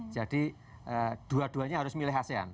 jadi dua duanya harus milih asean